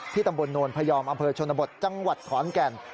ตำบลโนนพยอมอำเภอชนบทจังหวัดขอนแก่น